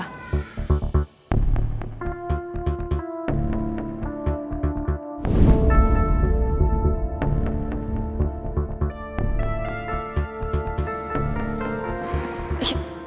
ternyata dia udah keliatan